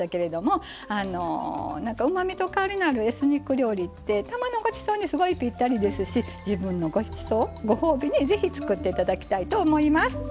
うまみと香りのあるエスニック料理ってたまのごちそうにすごいぴったりですし自分のごちそうご褒美にぜひ作っていただきたいと思います。